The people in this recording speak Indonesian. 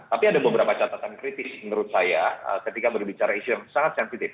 tapi ada beberapa catatan kritis menurut saya ketika berbicara isu yang sangat sensitif